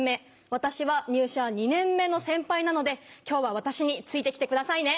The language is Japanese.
私は入社２年目の先輩なので今日は私について来てくださいね。